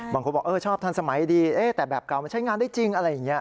บางคนบอกชอบทันสมัยดีแต่แบบเก่ามันใช้งานได้จริงอะไรอย่างนี้